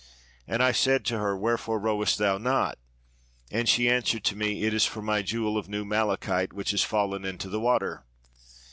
And I said to her, " Where fore rowest thou not?" and she answered to me, "It is for my jewel of new malachite which is fallen into the water."